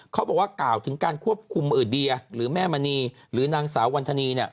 เขาบอกว่ากล่าวถึงการควบคุมเออเดียหรือแม่มณีหรือนางสาววันธานี